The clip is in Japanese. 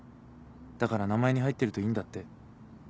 だから名前に入ってるといいんだって。